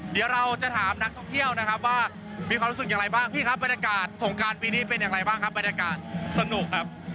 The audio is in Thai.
เดี๋ยวเราจะถามนักท่องเที่ยวนะครับว่ามีความรู้สึกอย่างไรบ้างพี่ครับบรรยากาศสงการปีนี้เป็นอย่างไรบ้างครับบรรยากาศสนุกครับ